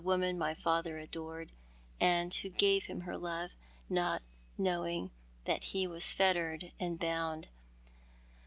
woman my father adored, and wlio pave him her love, not knowing that he was fettered and bound?